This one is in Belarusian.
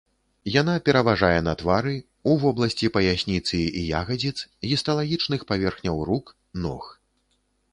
Яна пераважае на твары, у вобласці паясніцы і ягадзіц, гісталагічных паверхнях рук, ног.